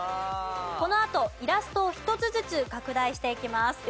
このあとイラストを１つずつ拡大していきます。